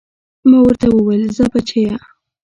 ما ورته وويل ځه بچيه.